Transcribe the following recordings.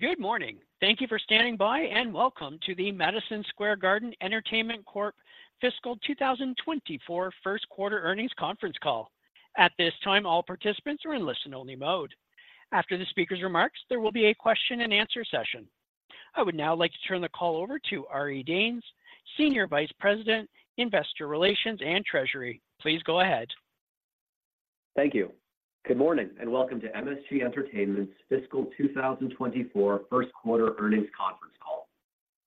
Good morning! Thank you for standing by, and welcome to the Madison Square Garden Entertainment Corp. Fiscal 2024 First Quarter Earnings Conference Call. At this time, all participants are in listen-only mode. After the speaker's remarks, there will be a question-and-answer session. I would now like to turn the call over to Ari Danes, Senior Vice President, Investor Relations and Treasury. Please go ahead. Thank you. Good morning, and welcome to MSG Entertainment's Fiscal 2024 First Quarter Earnings Conference Call.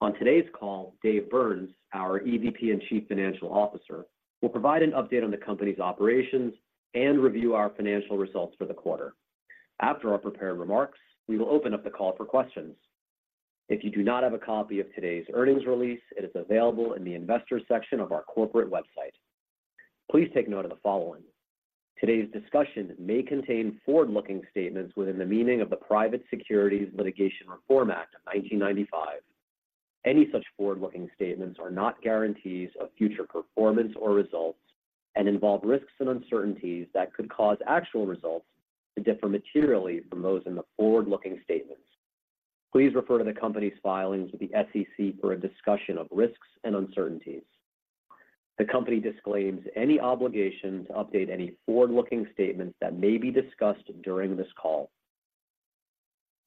On today's call, Dave Byrnes, our EVP and Chief Financial Officer, will provide an update on the company's operations and review our financial results for the quarter. After our prepared remarks, we will open up the call for questions. If you do not have a copy of today's earnings release, it is available in the Investors section of our corporate website. Please take note of the following: Today's discussion may contain forward-looking statements within the meaning of the Private Securities Litigation Reform Act of 1995. Any such forward-looking statements are not guarantees of future performance or results and involve risks and uncertainties that could cause actual results to differ materially from those in the forward-looking statements. Please refer to the company's filings with the SEC for a discussion of risks and uncertainties. The company disclaims any obligation to update any forward-looking statements that may be discussed during this call.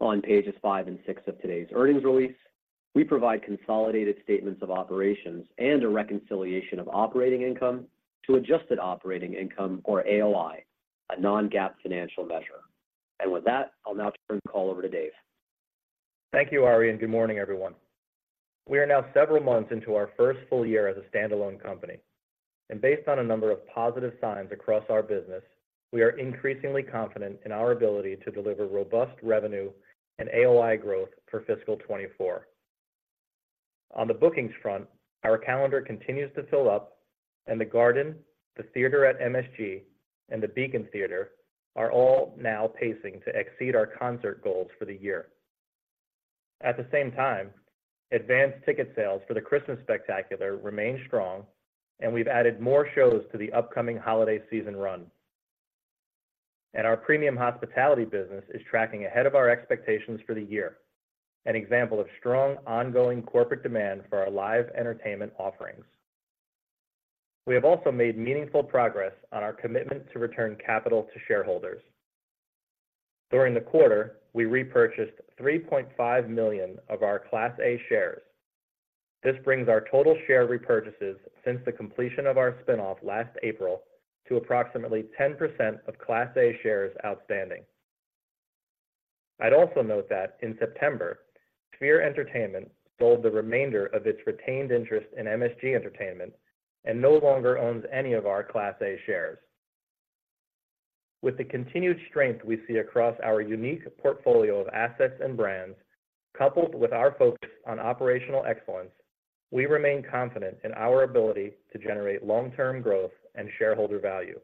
On pages five and six of today's earnings release, we provide consolidated statements of operations and a reconciliation of operating income to adjusted operating income or AOI, a non-GAAP financial measure. With that, I'll now turn the call over to Dave. Thank you, Ari, and good morning, everyone. We are now several months into our first full year as a standalone company, and based on a number of positive signs across our business, we are increasingly confident in our ability to deliver robust revenue and AOI growth for fiscal 2024. On the bookings front, our calendar continues to fill up, and The Garden, The Theater at MSG, and the Beacon Theatre are all now pacing to exceed our concert goals for the year. At the same time, advanced ticket sales for the Christmas Spectacular remain strong, and we've added more shows to the upcoming holiday season run. Our premium hospitality business is tracking ahead of our expectations for the year, an example of strong, ongoing corporate demand for our live entertainment offerings. We have also made meaningful progress on our commitment to return capital to shareholders. During the quarter, we repurchased 3.5 million of our Class A shares. This brings our total share repurchases since the completion of our spin-off last April to approximately 10% of Class A shares outstanding. I'd also note that in September, Sphere Entertainment sold the remainder of its retained interest in MSG Entertainment and no longer owns any of our Class A shares. With the continued strength we see across our unique portfolio of assets and brands, coupled with our focus on operational excellence, we remain confident in our ability to generate long-term growth and shareholder value.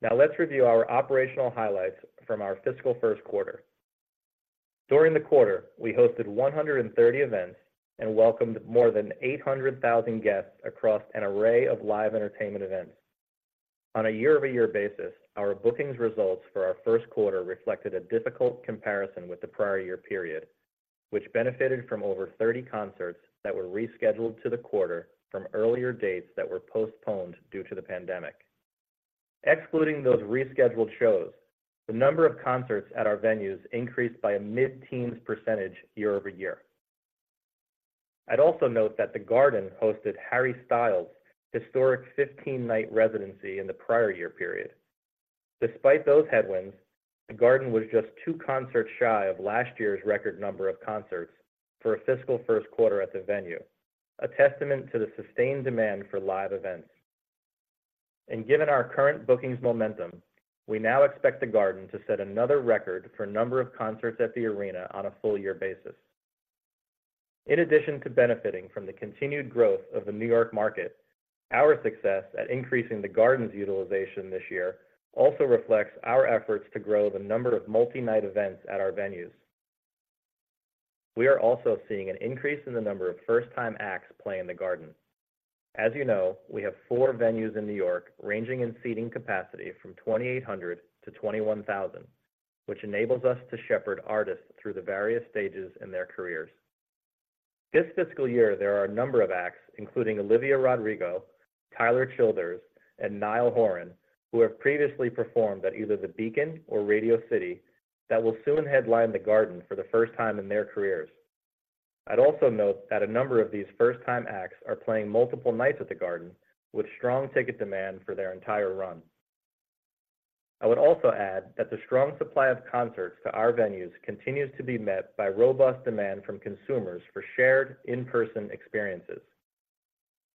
Now, let's review our operational highlights from our fiscal first quarter. During the quarter, we hosted 130 events and welcomed more than 800,000 guests across an array of live entertainment events. On a year-over-year basis, our bookings results for our first quarter reflected a difficult comparison with the prior year period, which benefited from over 30 concerts that were rescheduled to the quarter from earlier dates that were postponed due to the pandemic. Excluding those rescheduled shows, the number of concerts at our venues increased by a mid-teens percentage year-over-year. I'd also note that The Garden hosted Harry Styles' historic 15-night residency in the prior year period. Despite those headwinds, The Garden was just two concerts shy of last year's record number of concerts for a fiscal first quarter at the venue, a testament to the sustained demand for live events. Given our current bookings momentum, we now expect The Garden to set another record for number of concerts at the Arena on a full year basis. In addition to benefiting from the continued growth of the New York market, our success at increasing The Garden's utilization this year also reflects our efforts to grow the number of multi-night events at our venues. We are also seeing an increase in the number of first-time acts playing The Garden. As you know, we have four venues in New York, ranging in seating capacity from 2,800 to 21,000, which enables us to shepherd artists through the various stages in their careers. This fiscal year, there are a number of acts, including Olivia Rodrigo, Tyler Childers, and Niall Horan, who have previously performed at either the Beacon or Radio City, that will soon headline The Garden for the first time in their careers. I'd also note that a number of these first-time acts are playing multiple nights at The Garden, with strong ticket demand for their entire run. I would also add that the strong supply of concerts to our venues continues to be met by robust demand from consumers for shared in-person experiences.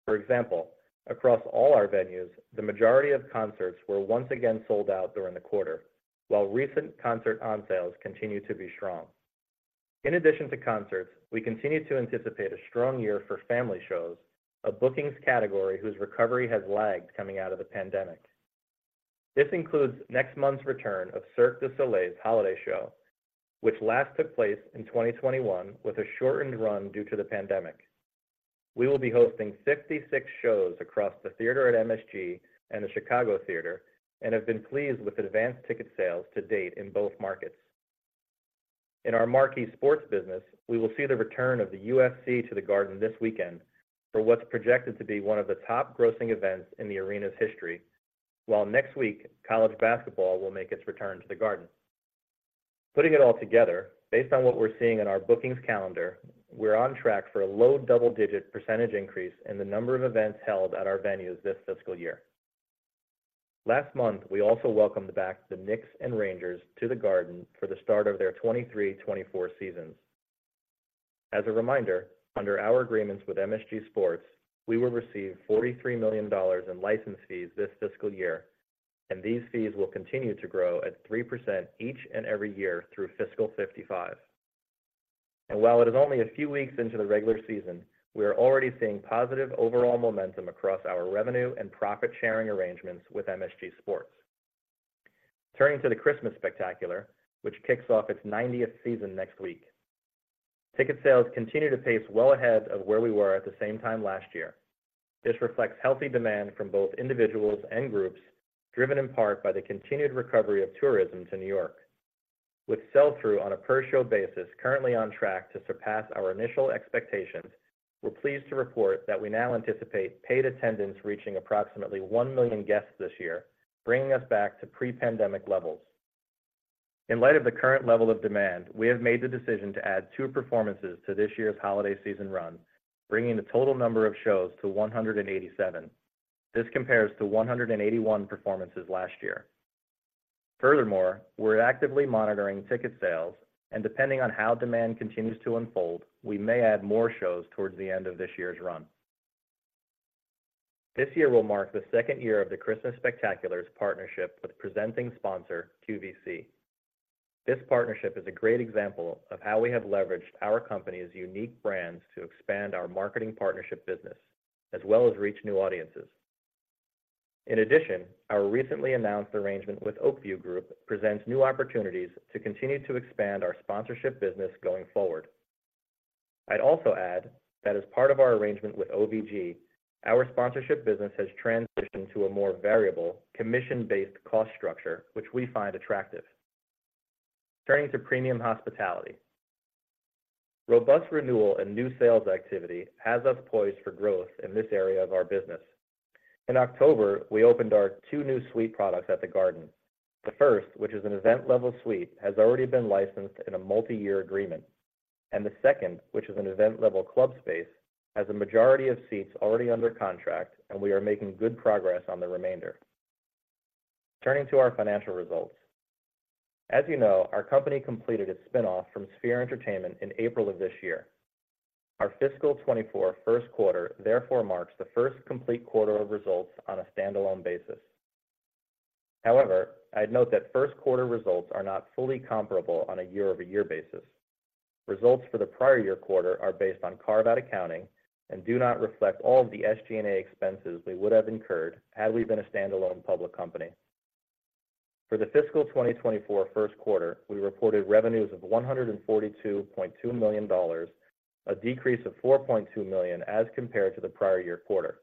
For example, across all our venues, the majority of concerts were once again sold out during the quarter, while recent concert on-sales continue to be strong. In addition to concerts, we continue to anticipate a strong year for family shows, a bookings category whose recovery has lagged coming out of the pandemic. This includes next month's return of Cirque du Soleil's holiday show, which last took place in 2021 with a shortened run due to the pandemic... We will be hosting 66 shows across the Theater at MSG and The Chicago Theatre, and have been pleased with advanced ticket sales to date in both markets. In our marquee sports business, we will see the return of the UFC to The Garden this weekend, for what's projected to be one of the top grossing events in the Arena's history. While next week, college basketball will make its return to The Garden. Putting it all together, based on what we're seeing in our bookings calendar, we're on track for a low double-digit percentage increase in the number of events held at our venues this fiscal year. Last month, we also welcomed back the Knicks and Rangers to The Garden for the start of their 2023-2024 seasons. As a reminder, under our agreements with MSG Sports, we will receive $43 million in license fees this fiscal year, and these fees will continue to grow at 3% each and every year through fiscal 2055. While it is only a few weeks into the regular season, we are already seeing positive overall momentum across our revenue and profit-sharing arrangements with MSG Sports. Turning to the Christmas Spectacular, which kicks off its 90th season next week. Ticket sales continue to pace well ahead of where we were at the same time last year. This reflects healthy demand from both individuals and groups, driven in part by the continued recovery of tourism to New York. With sell-through on a per-show basis currently on track to surpass our initial expectations, we're pleased to report that we now anticipate paid attendance reaching approximately 1 million guests this year, bringing us back to pre-pandemic levels. In light of the current level of demand, we have made the decision to add two performances to this year's holiday season run, bringing the total number of shows to 187. This compares to 181 performances last year. Furthermore, we're actively monitoring ticket sales, and depending on how demand continues to unfold, we may add more shows towards the end of this year's run. This year will mark the second year of the Christmas Spectacular's partnership with presenting sponsor, QVC. This partnership is a great example of how we have leveraged our company's unique brands to expand our marketing partnership business, as well as reach new audiences. In addition, our recently announced arrangement with Oak View Group presents new opportunities to continue to expand our sponsorship business going forward. I'd also add that as part of our arrangement with OVG, our sponsorship business has transitioned to a more variable, commission-based cost structure, which we find attractive. Turning to premium hospitality. Robust renewal and new sales activity has us poised for growth in this area of our business. In October, we opened our two new suite products at The Garden. The first, which is an event-level suite, has already been licensed in a multi-year agreement. The second, which is an event-level club space, has a majority of seats already under contract, and we are making good progress on the remainder. Turning to our financial results. As you know, our company completed its spin-off from Sphere Entertainment in April of this year. Our fiscal 2024 first quarter therefore marks the first complete quarter of results on a standalone basis. However, I'd note that first quarter results are not fully comparable on a year-over-year basis. Results for the prior year quarter are based on carved-out accounting and do not reflect all of the SG&A expenses we would have incurred, had we been a standalone public company. For the fiscal 2024 first quarter, we reported revenues of $142.2 million, a decrease of $4.2 million as compared to the prior year quarter.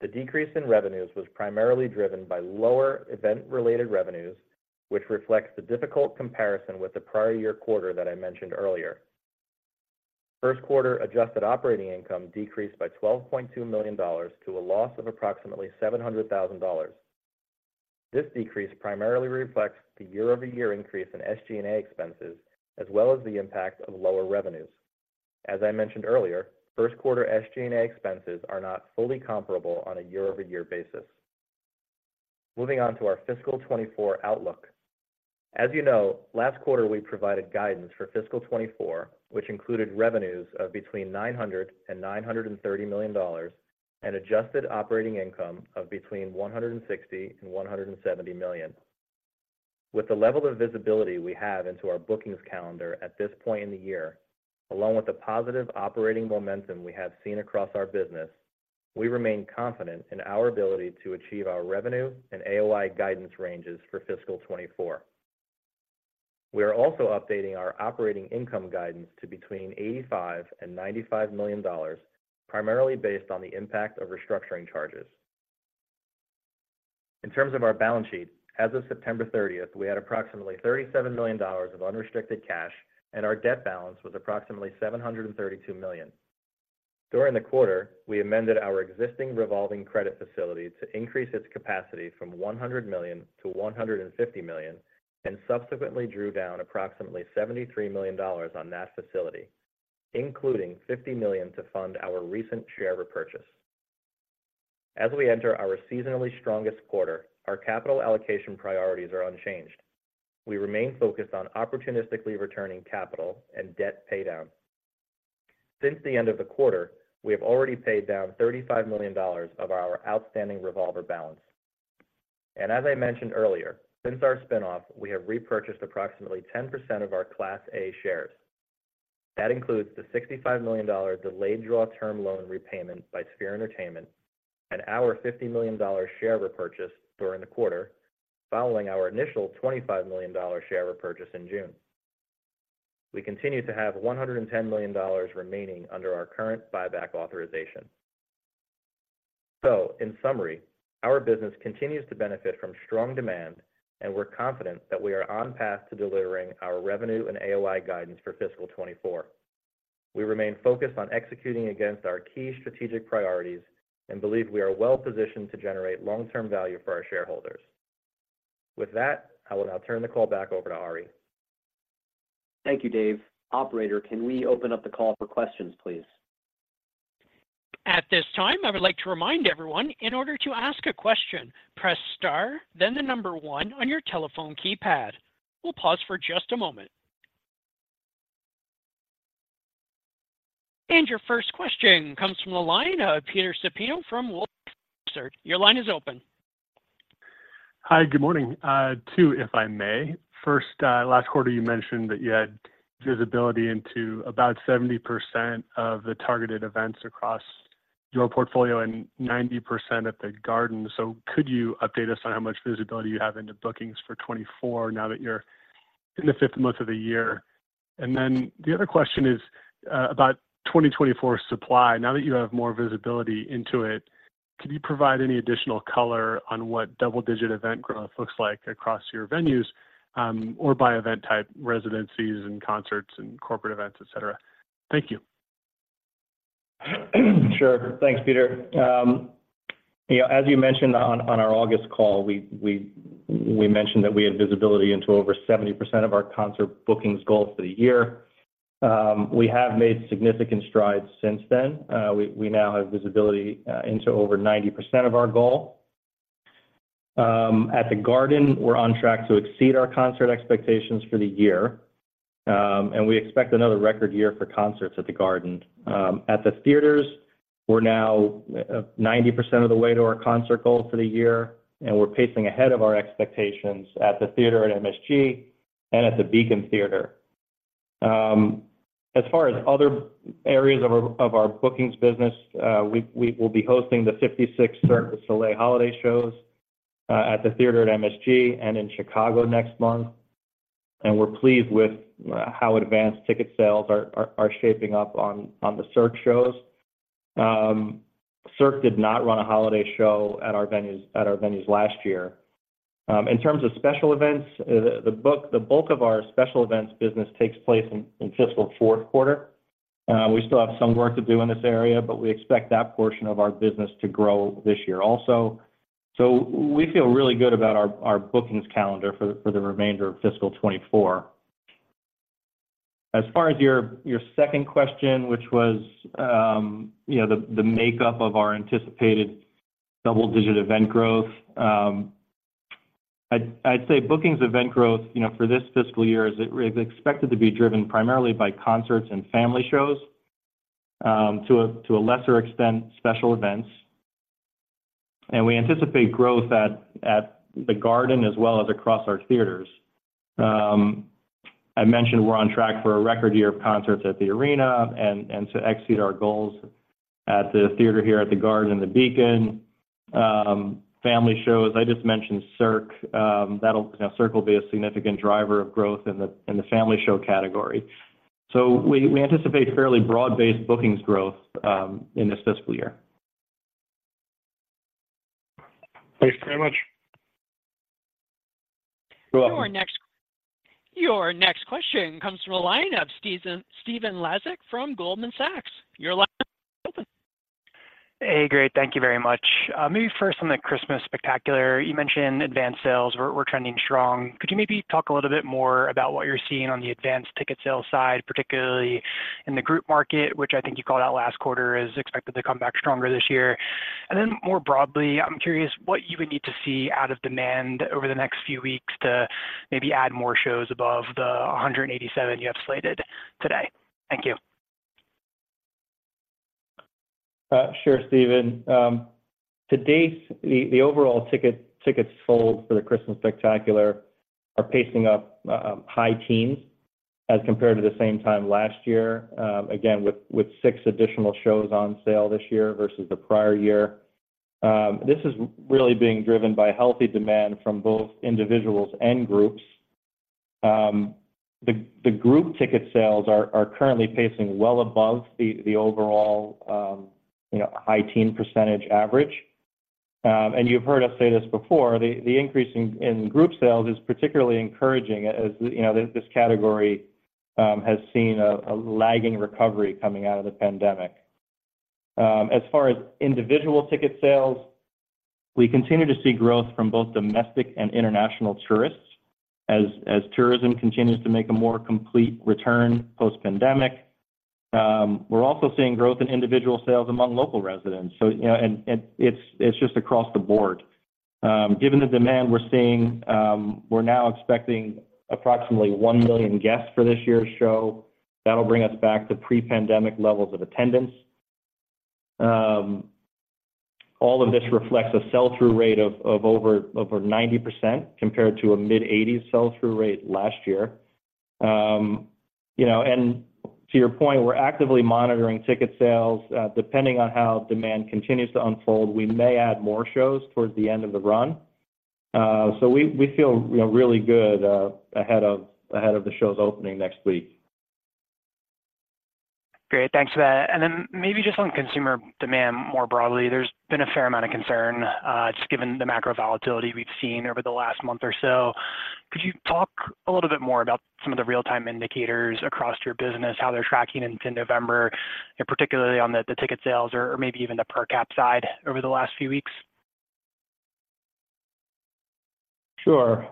The decrease in revenues was primarily driven by lower event-related revenues, which reflects the difficult comparison with the prior year quarter that I mentioned earlier. First quarter adjusted operating income decreased by $12.2 million to a loss of approximately $700,000. This decrease primarily reflects the year-over-year increase in SG&A expenses, as well as the impact of lower revenues. As I mentioned earlier, first quarter SG&A expenses are not fully comparable on a year-over-year basis. Moving on to our fiscal 2024 outlook. As you know, last quarter, we provided guidance for fiscal 2024, which included revenues of between $900 million and $930 million, and adjusted operating income of between $160 million and $170 million. With the level of visibility we have into our bookings calendar at this point in the year, along with the positive operating momentum we have seen across our business, we remain confident in our ability to achieve our revenue and AOI guidance ranges for fiscal 2024. We are also updating our operating income guidance to between $85 million and $95 million, primarily based on the impact of restructuring charges. In terms of our balance sheet, as of September 30th, we had approximately $37 million of unrestricted cash, and our debt balance was approximately $732 million. During the quarter, we amended our existing revolving credit facility to increase its capacity from $100 million to $150 million, and subsequently drew down approximately $73 million on that facility, including $50 million to fund our recent share repurchase. As we enter our seasonally strongest quarter, our capital allocation priorities are unchanged. We remain focused on opportunistically returning capital and debt paydown. Since the end of the quarter, we have already paid down $35 million of our outstanding revolver balance. And as I mentioned earlier, since our spin-off, we have repurchased approximately 10% of our Class A shares. That includes the $65 million delayed draw term loan repayment by Sphere Entertainment, and our $50 million share repurchase during the quarter following our initial $25 million share repurchase in June. We continue to have $110 million remaining under our current buyback authorization. In summary, our business continues to benefit from strong demand, and we're confident that we are on path to delivering our revenue and AOI guidance for fiscal 2024. We remain focused on executing against our key strategic priorities and believe we are well-positioned to generate long-term value for our shareholders. With that, I will now turn the call back over to Ari. Thank you, Dave. Operator, can we open up the call for questions, please? At this time, I would like to remind everyone, in order to ask a question, press star, then the number one on your telephone keypad. We'll pause for just a moment. Your first question comes from the line of Peter Supino from Wolfe Research. Your line is open. Hi, good morning. Two, if I may. First, last quarter you mentioned that you had visibility into about 70% of the targeted events across your portfolio and 90% at The Garden. So could you update us on how much visibility you have into bookings for 2024, now that you're in the fifth month of the year? And then the other question is, about 2024 supply. Now that you have more visibility into it, could you provide any additional color on what double-digit event growth looks like across your venues, or by event type, residencies and concerts and corporate events, et cetera? Thank you. Sure. Thanks, Peter. You know, as you mentioned on our August call, we mentioned that we had visibility into over 70% of our concert bookings goals for the year. We have made significant strides since then. We now have visibility into over 90% of our goal. At The Garden, we're on track to exceed our concert expectations for the year, and we expect another record year for concerts at The Garden. At the theaters, we're now 90% of the way to our concert goal for the year, and we're pacing ahead of our expectations at The Theater at MSG and at the Beacon Theatre. As far as other areas of our bookings business, we will be hosting the 56 Cirque du Soleil holiday shows at The Theater at MSG and in Chicago next month, and we're pleased with how advanced ticket sales are shaping up on the Cirque shows. Cirque did not run a holiday show at our venues last year. In terms of special events, the bulk of our special events business takes place in fiscal fourth quarter. We still have some work to do in this area, but we expect that portion of our business to grow this year also. So we feel really good about our bookings calendar for the remainder of fiscal 2024. As far as your, your second question, which was, you know, the, the makeup of our anticipated double-digit event growth, I'd, I'd say bookings event growth, you know, for this fiscal year is expected to be driven primarily by concerts and family shows, to a, to a lesser extent, special events. We anticipate growth at, at The Garden as well as across our theaters. I mentioned we're on track for a record year of concerts at the Arena and, and to exceed our goals at The Theater here at The Garden and the Beacon. Family shows, I just mentioned Cirque. That'll, you know, Cirque will be a significant driver of growth in the, in the family show category. We, we anticipate fairly broad-based bookings growth, in this fiscal year. Thanks very much. You're welcome. Your next question comes from the line of Stephen Laszczyk from Goldman Sachs. Your line is open. Hey, great. Thank you very much. Maybe first on the Christmas Spectacular, you mentioned advanced sales were trending strong. Could you maybe talk a little bit more about what you're seeing on the advanced ticket sales side, particularly in the group market, which I think you called out last quarter, is expected to come back stronger this year? And then more broadly, I'm curious what you would need to see out of demand over the next few weeks to maybe add more shows above the 187 you have slated today. Thank you. Sure, Steven. To date, the overall tickets sold for the Christmas Spectacular are pacing up high teens as compared to the same time last year, again, with six additional shows on sale this year versus the prior year. This is really being driven by healthy demand from both individuals and groups. The group ticket sales are currently pacing well above the overall, you know, high teen percentage average. And you've heard us say this before, the increase in group sales is particularly encouraging, as you know, this category has seen a lagging recovery coming out of the pandemic. As far as individual ticket sales, we continue to see growth from both domestic and international tourists, as tourism continues to make a more complete return post-pandemic. We're also seeing growth in individual sales among local residents. So, you know, it's just across the board. Given the demand we're seeing, we're now expecting approximately 1 million guests for this year's show. That'll bring us back to pre-pandemic levels of attendance. All of this reflects a sell-through rate of over 90%, compared to a mid-80s sell-through rate last year. You know, and to your point, we're actively monitoring ticket sales. Depending on how demand continues to unfold, we may add more shows towards the end of the run. So we feel, you know, really good ahead of the show's opening next week. Great. Thanks for that. And then maybe just on consumer demand, more broadly, there's been a fair amount of concern, just given the macro volatility we've seen over the last month or so. Could you talk a little bit more about some of the real-time indicators across your business, how they're tracking into November, and particularly on the, the ticket sales or, or maybe even the per cap side over the last few weeks? Sure.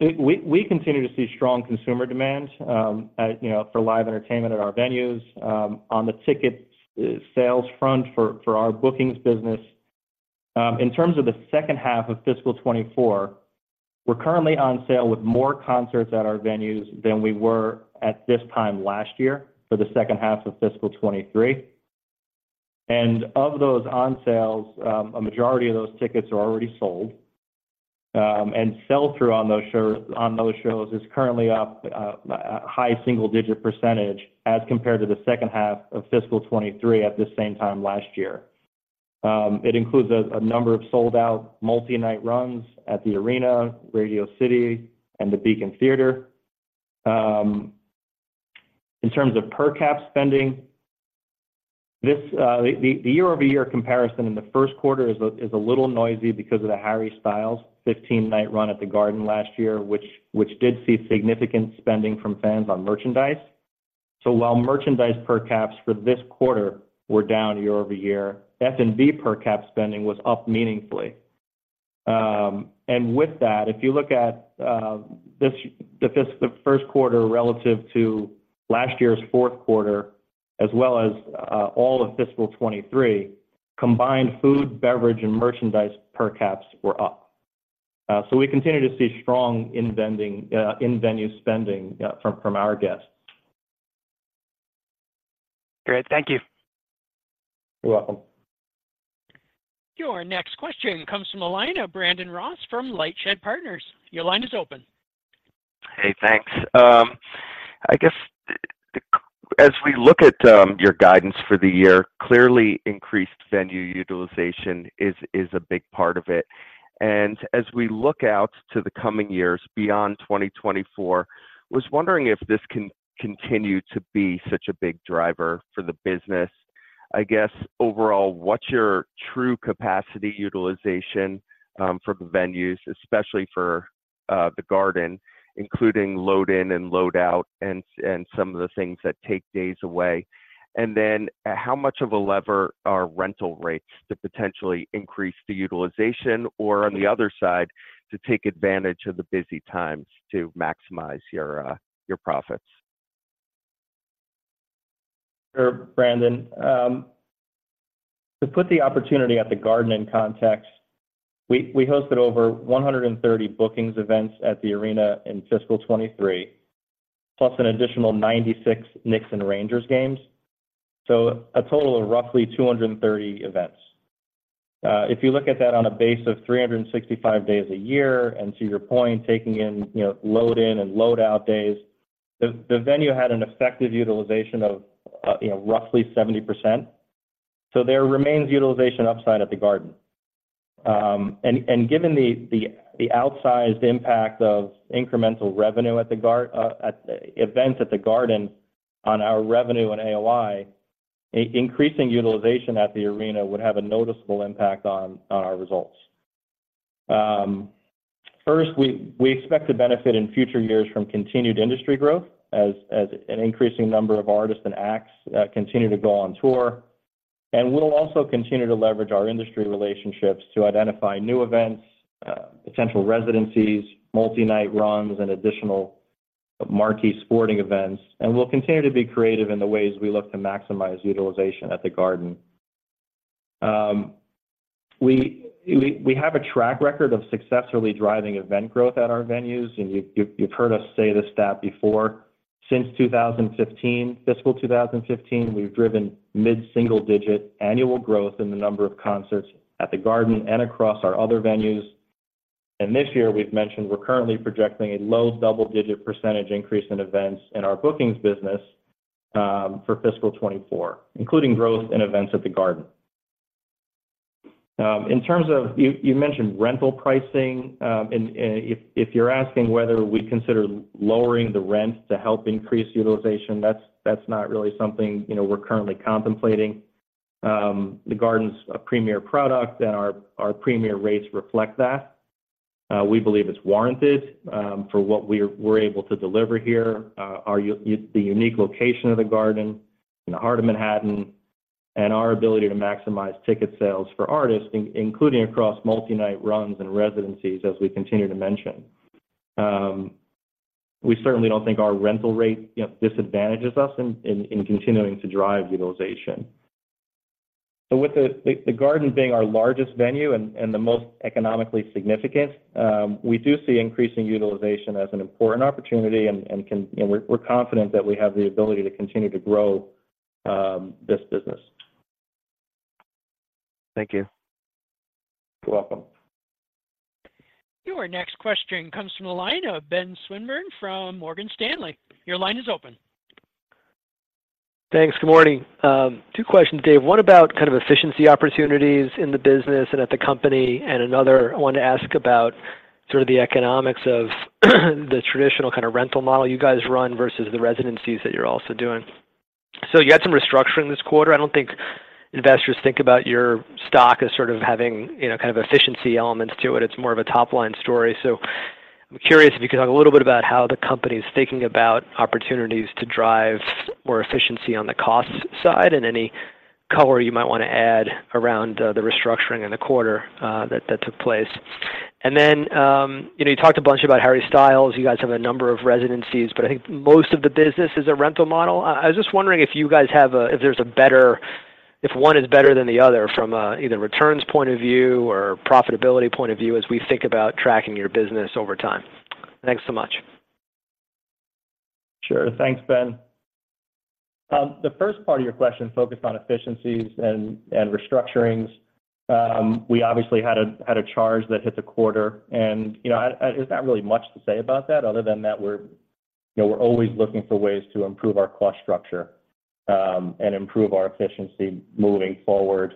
We continue to see strong consumer demand, you know, for live entertainment at our venues. On the ticket sales front for our bookings business, in terms of the second half of fiscal 2024, we're currently on sale with more concerts at our venues than we were at this time last year for the second half of fiscal 2023. And of those on sales, a majority of those tickets are already sold. And sell-through on those shows is currently up a high single-digit percentage as compared to the second half of fiscal 2023 at the same time last year. It includes a number of sold-out multi-night runs at the Arena, Radio City, and the Beacon Theatre. In terms of per cap spending, this...The year-over-year comparison in the first quarter is a little noisy because of the Harry Styles' 15-night run at The Garden last year, which did see significant spending from fans on merchandise. So while merchandise per caps for this quarter were down year-over-year, F&B per cap spending was up meaningfully. And with that, if you look at this, the first quarter relative to last year's fourth quarter, as well as all of fiscal 2023, combined food, beverage, and merchandise per caps were up. So we continue to see strong in-venue spending from our guests. Great. Thank you. You're welcome. Your next question comes from the line of Brandon Ross from LightShed Partners. Your line is open. Hey, thanks. I guess, as we look at your guidance for the year, clearly increased venue utilization is a big part of it. And as we look out to the coming years beyond 2024, I was wondering if this can continue to be such a big driver for the business. I guess, overall, what's your true capacity utilization for the venues, especially for The Garden, including load in and load out, and some of the things that take days away? And then, how much of a lever are rental rates to potentially increase the utilization, or on the other side, to take advantage of the busy times to maximize your profits? Sure, Brandon. To put the opportunity at The Garden in context, we hosted over 130 bookings events at the Arena in fiscal 2023, plus an additional 96 Knicks and Rangers games, so a total of roughly 230 events. If you look at that on a base of 365 days a year, and to your point, taking in, you know, load in and load out days, the venue had an effective utilization of, you know, roughly 70%. So there remains utilization upside at The Garden. And given the outsized impact of incremental revenue at events at The Garden on our revenue and AOI, increasing utilization at the Arena would have a noticeable impact on our results. First, we expect to benefit in future years from continued industry growth as an increasing number of artists and acts continue to go on tour. We'll also continue to leverage our industry relationships to identify new events, potential residencies, multi-night runs, and additional marquee sporting events. We'll continue to be creative in the ways we look to maximize utilization at The Garden. We have a track record of successfully driving event growth at our venues, and you've heard us say this stat before. Since 2015, fiscal 2015, we've driven mid-single-digit annual growth in the number of concerts at The Garden and across our other venues. This year, we've mentioned we're currently projecting a low double-digit percentage increase in events in our bookings business for fiscal 2024, including growth in events at The Garden. In terms of... You mentioned rental pricing, and if you're asking whether we consider lowering the rent to help increase utilization, that's not really something, you know, we're currently contemplating. The Garden's a premier product, and our premier rates reflect that. We believe it's warranted for what we're able to deliver here. Our unique location of The Garden in the heart of Manhattan and our ability to maximize ticket sales for artists, including across multi-night runs and residencies, as we continue to mention. We certainly don't think our rental rate, you know, disadvantages us in continuing to drive utilization. So with The Garden being our largest venue and the most economically significant, we do see increasing utilization as an important opportunity and we're confident that we have the ability to continue to grow this business. Thank you. You're welcome. Your next question comes from the line of Ben Swinburne from Morgan Stanley. Your line is open. Thanks. Good morning. Two questions, Dave. One about kind of efficiency opportunities in the business and at the company, and another, I wanted to ask about sort of the economics of the traditional kind of rental model you guys run versus the residencies that you're also doing. So you had some restructuring this quarter. I don't think investors think about your stock as sort of having, you know, kind of efficiency elements to it. It's more of a top-line story. So I'm curious if you could talk a little bit about how the company's thinking about opportunities to drive more efficiency on the cost side, and any color you might want to add around the restructuring in the quarter that took place. And then, you know, you talked a bunch about Harry Styles. You guys have a number of residencies, but I think most of the business is a rental model. I was just wondering if you guys have a if there's a better if one is better than the other from a either returns point of view or profitability point of view, as we think about tracking your business over time. Thanks so much. Sure. Thanks, Ben. The first part of your question focused on efficiencies and restructurings. We obviously had a charge that hit the quarter, and, you know, there's not really much to say about that other than that we're, you know, we're always looking for ways to improve our cost structure and improve our efficiency moving forward.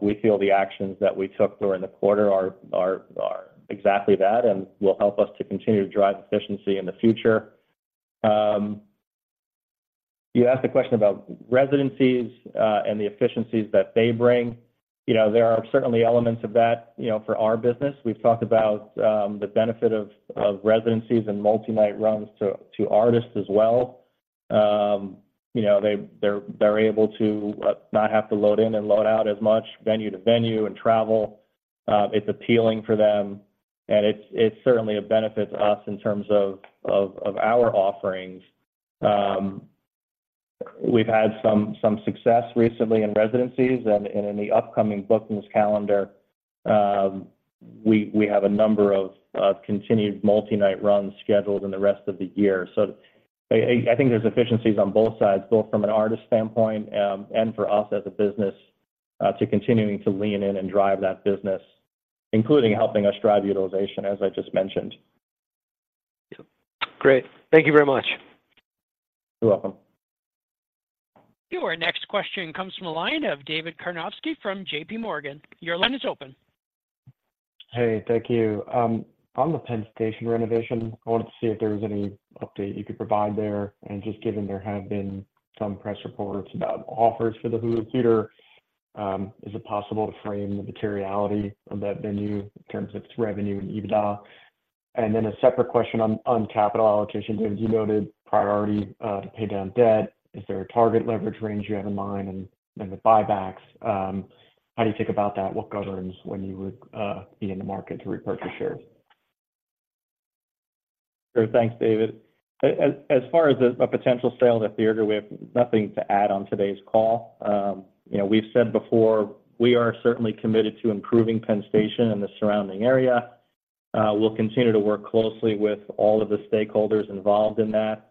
We feel the actions that we took during the quarter are exactly that and will help us to continue to drive efficiency in the future. You asked a question about residencies and the efficiencies that they bring. You know, there are certainly elements of that, you know, for our business. We've talked about the benefit of residencies and multi-night runs to artists as well. You know, they're able to not have to load in and load out as much venue to venue and travel. It's appealing for them, and it certainly benefits us in terms of our offerings. We've had some success recently in residencies, and in the upcoming bookings calendar, we have a number of continued multi-night runs scheduled in the rest of the year. So I think there's efficiencies on both sides, both from an artist standpoint, and for us as a business, to continuing to lean in and drive that business, including helping us drive utilization, as I just mentioned. Great. Thank you very much. You're welcome. Your next question comes from the line of David Karnovsky from JP Morgan. Your line is open. Hey, thank you. On the Penn Station renovation, I wanted to see if there was any update you could provide there. And just given there have been some press reports about offers for the Hulu Theater, is it possible to frame the materiality of that venue in terms of its revenue and EBITDA? And then a separate question on capital allocation. Dave, you noted priority to pay down debt. Is there a target leverage range you have in mind? And then the buybacks, how do you think about that? What governs when you would be in the market to repurchase shares? Sure. Thanks, David. As far as a potential sale of the theater, we have nothing to add on today's call. You know, we've said before, we are certainly committed to improving Penn Station and the surrounding area. We'll continue to work closely with all of the stakeholders involved in that.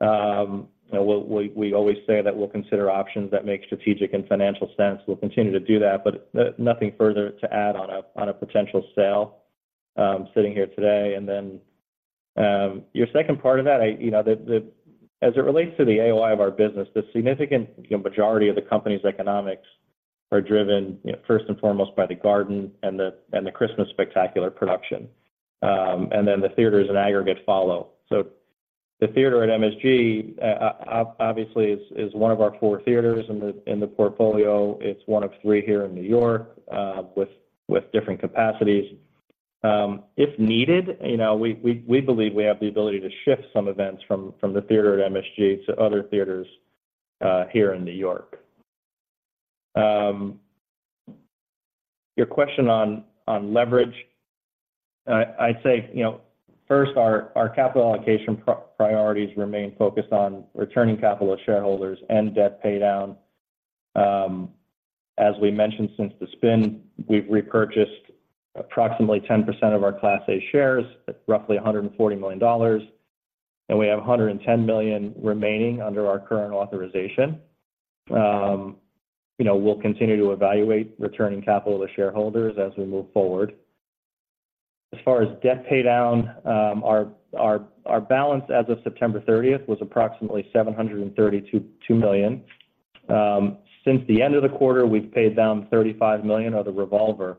You know, we'll always say that we'll consider options that make strategic and financial sense. We'll continue to do that, but nothing further to add on a potential sale sitting here today. And then your second part of that, you know, as it relates to the AOI of our business, the significant majority of the company's economics are driven first and foremost by The Garden and the Christmas Spectacular production, and then the theaters in aggregate follow. So The Theater at MSG, obviously, is one of our four theaters in the portfolio. It's one of three here in New York, with different capacities. If needed, you know, we believe we have the ability to shift some events from The Theater at MSG to other theaters here in New York. Your question on leverage, I'd say, you know, first, our capital allocation priorities remain focused on returning capital to shareholders and debt paydown. As we mentioned, since the spin, we've repurchased approximately 10% of our Class A shares, at roughly $140 million, and we have $110 million remaining under our current authorization. You know, we'll continue to evaluate returning capital to shareholders as we move forward. As far as debt paydown, our balance as of September 30th was approximately $732 million. Since the end of the quarter, we've paid down $35 million of the revolver,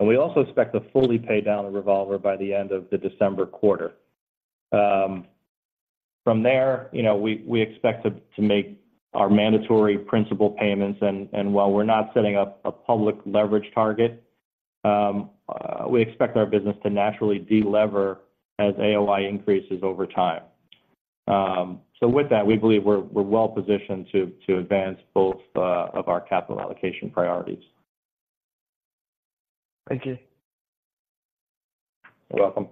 and we also expect to fully pay down the revolver by the end of the December quarter. From there, you know, we expect to make our mandatory principal payments, and while we're not setting up a public leverage target, we expect our business to naturally de-lever as AOI increases over time. So with that, we believe we're well positioned to advance both of our capital allocation priorities. Thank you. You're welcome.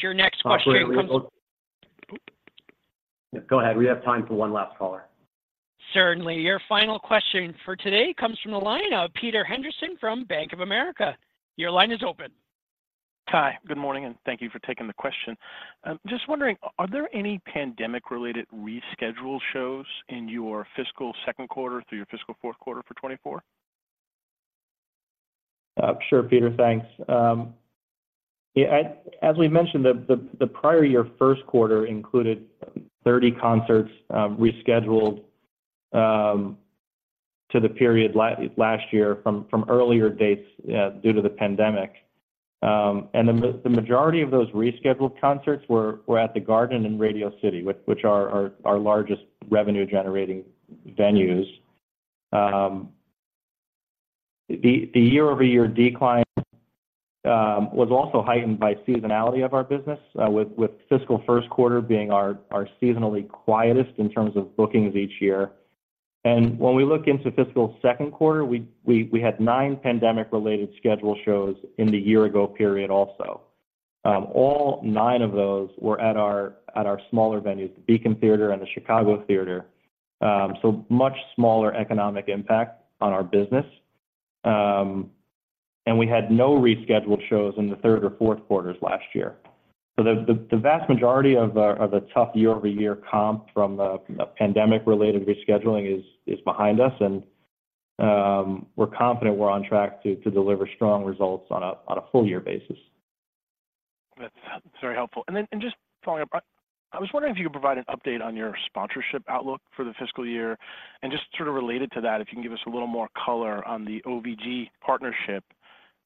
Your next question comes- Go ahead. We have time for one last caller. Certainly. Your final question for today comes from the line of Peter Henderson from Bank of America. Your line is open. ... Hi, good morning, and thank you for taking the question. Just wondering, are there any pandemic-related rescheduled shows in your fiscal second quarter through your fiscal fourth quarter for 2024? Sure, Peter. Thanks. Yeah, as we mentioned, the prior year first quarter included 30 concerts rescheduled to the period last year from earlier dates due to the pandemic. And the majority of those rescheduled concerts were at The Garden and Radio City, which are our largest revenue-generating venues. The year-over-year decline was also heightened by seasonality of our business, with fiscal first quarter being our seasonally quietest in terms of bookings each year. And when we look into fiscal second quarter, we had nine pandemic-related schedule shows in the year ago period also. All nine of those were at our smaller venues, the Beacon Theatre and the Chicago Theatre. So much smaller economic impact on our business. And we had no rescheduled shows in the third or fourth quarters last year. So the vast majority of the tough year-over-year comp from the pandemic-related rescheduling is behind us, and we're confident we're on track to deliver strong results on a full year basis. That's very helpful. And then, just following up, I was wondering if you could provide an update on your sponsorship outlook for the fiscal year, and just sort of related to that, if you can give us a little more color on the OVG partnership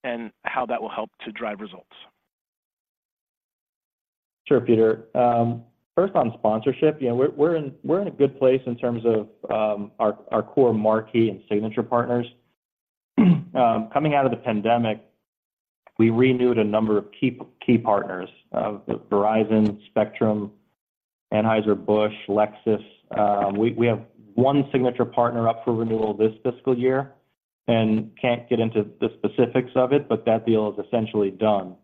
and how that will help to drive results. Sure, Peter. First, on sponsorship, you know, we're in a good place in terms of our core marquee and signature partners. Coming out of the pandemic, we renewed a number of key partners, Verizon, Spectrum, Anheuser-Busch, Lexus. We have one signature partner up for renewal this fiscal year, and can't get into the specifics of it, but that deal is essentially done.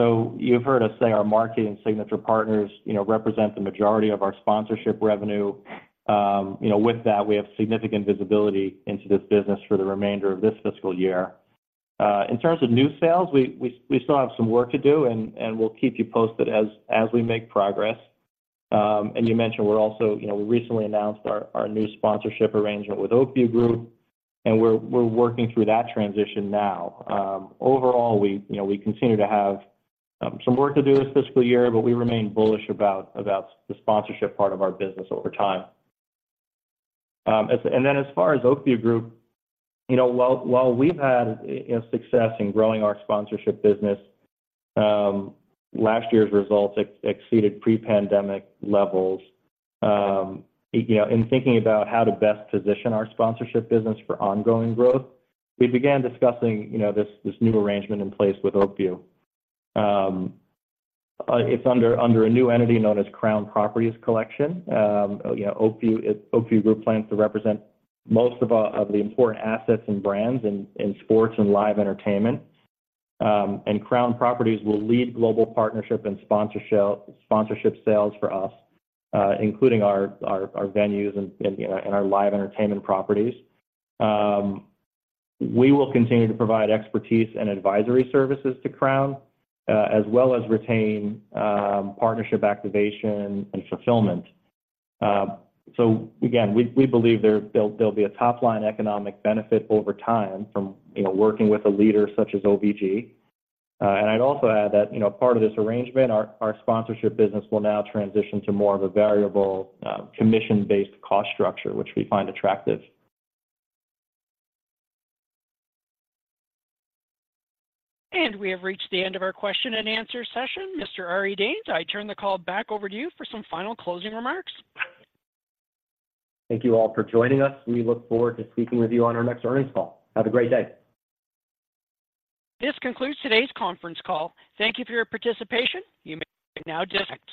So you've heard us say our marketing signature partners, you know, represent the majority of our sponsorship revenue. You know, with that, we have significant visibility into this business for the remainder of this fiscal year. In terms of new sales, we still have some work to do, and we'll keep you posted as we make progress. And you mentioned we're also—you know, we recently announced our new sponsorship arrangement with Oak View Group, and we're working through that transition now. Overall, we, you know, we continue to have some work to do this fiscal year, but we remain bullish about the sponsorship part of our business over time. And then as far as Oak View Group, you know, while we've had success in growing our sponsorship business, last year's results exceeded pre-pandemic levels. You know, in thinking about how to best position our sponsorship business for ongoing growth, we began discussing, you know, this new arrangement in place with Oak View. It's under a new entity known as Crown Properties Collection. You know, Oak View Group plans to represent most of the important assets and brands in sports and live entertainment. And Crown Properties will lead global partnership and sponsorship sales for us, including our venues and our live entertainment properties. We will continue to provide expertise and advisory services to Crown, as well as retain partnership activation and fulfillment. So again, we believe there'll be a top-line economic benefit over time from, you know, working with a leader such as OVG. And I'd also add that, you know, part of this arrangement, our sponsorship business will now transition to more of a variable commission-based cost structure, which we find attractive. We have reached the end of our question and answer session. Mr. Ari Danes, I turn the call back over to you for some final closing remarks. Thank you all for joining us. We look forward to speaking with you on our next earnings call. Have a great day. This concludes today's conference call. Thank you for your participation. You may now disconnect.